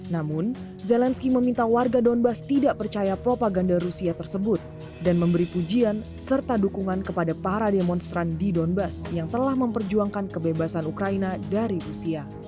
namun zelensky meminta warga donbass tidak percaya propaganda rusia tersebut dan memberi pujian serta dukungan kepada para demonstran di donbass yang telah memperjuangkan kebebasan ukraina dari rusia